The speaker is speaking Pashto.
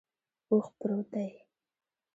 اوښ پروت دے